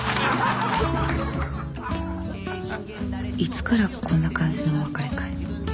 いつからこんな感じのお別れ会？